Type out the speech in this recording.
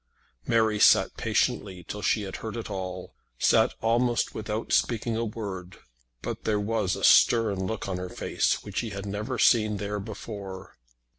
Mary sat patiently till she had heard it all, sat almost without speaking a word; but there was a stern look on her face which he had never seen there before.